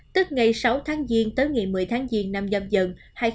tức ngày sáu tháng diên tới ngày một mươi tháng diên năm dâm dần hai nghìn hai mươi hai